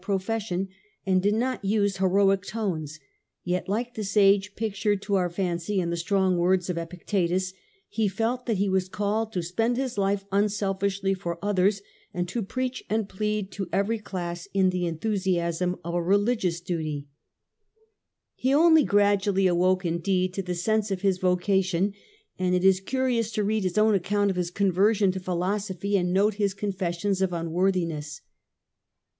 Chrysos fession, and did not use heroic tones ; yet like the sage pictured to our fancy in the strong words of Epictetus, he felt that he was called to spend his life unselfishly for others, and to preach and plead to every class in the enthusiasm of a religious duty cn. VIII. The Literary Currents of the Age, 175 He only gradually awoke, indeed, to the sense of his vo cation, and it is curious to read his own account of his conversion to philosophy, and note his confessions of un worthiness.